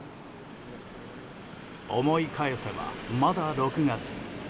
思い返せば、まだ６月。